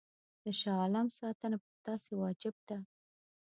د شاه عالم ساتنه پر تاسي واجب ده.